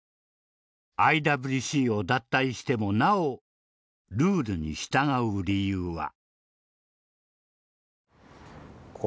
ＩＷＣを脱退してもなおルールに従う理由は？